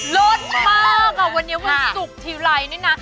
ลดมากอ่ะวันนี้วันศุกร์ทีไรนี่นะ